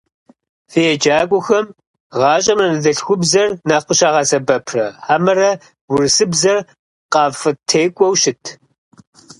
Фи еджакӀуэхэм гъащӀэм анэдэлъхубзэр нэхъ къыщагъэсэбэпрэ хьэмэрэ урысыбзэр къафӏытекӀуэу щыт?